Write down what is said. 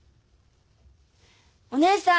お義姉さん。